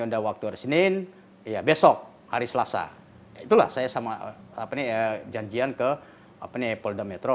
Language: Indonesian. udah waktu hari senin ya besok hari selasa itulah saya sama apa nih janjian ke apa nih polda metro